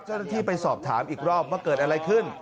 เจ้าหน้าที่ไปสอบถามอีกรอบว่าเกิดอะไรขึ้น